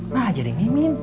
nah jadi mimin